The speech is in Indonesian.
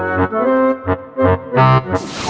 tuhan yang terbaik